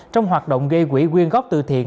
trong hoạt động gây quỷ quyên góp tự thiện